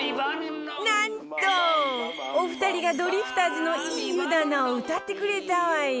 なんとお二人がドリフターズの『いい湯だな』を歌ってくれたわよ